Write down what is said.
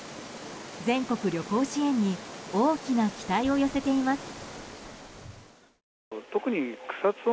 全国旅行支援に大きな期待を寄せています。